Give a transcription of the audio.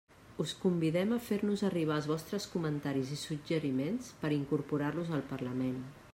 Us convidem a fer-nos arribar els vostres comentaris i suggeriments per incorporar-los al parlament.